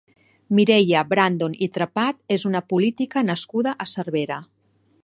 Mireia Brandon i Trepat és una política nascuda a Cervera.